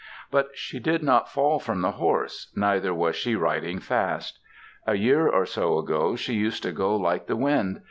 But she did not fall from the horse, neither was she riding fast. A year or so ago she used to go like the wind.